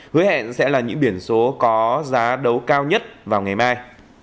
hứa hẹn sẽ là những biển số có giá đấu cao nhất vào ngày mai